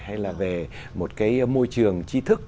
hay là về một môi trường chi tiết